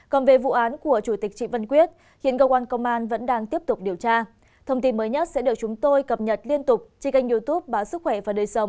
còn về vụ án của chủ tịch trị văn quyết hiện cơ quan công an vẫn đang tiếp tục điều tra